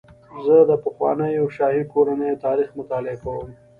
زه د پخوانیو شاهي کورنیو تاریخ مطالعه کوم.